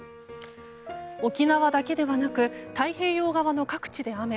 沖縄だけではなく太平洋側の各地で雨。